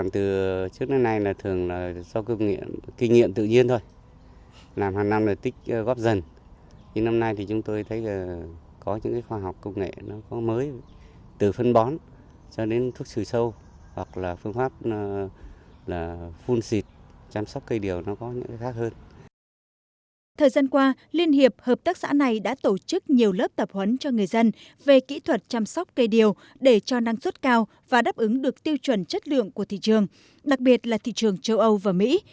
trong thời gian qua liên hiệp hợp tác xã này đã tổ chức nhiều lớp tập huấn cho người dân về kỹ thuật chăm sóc cây điều để cho năng suất cao và đáp ứng được tiêu chuẩn chất lượng của thị trường đặc biệt là thị trường châu âu và mỹ